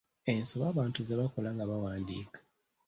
Ensobi abantu ze bakola nga bawandiika.